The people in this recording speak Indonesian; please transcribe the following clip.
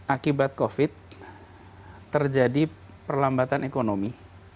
akibat covid terjadi perlambatan ekonomi